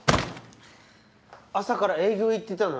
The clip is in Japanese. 朝から営業行ってたの？